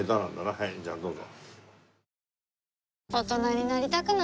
はいじゃあどうぞ。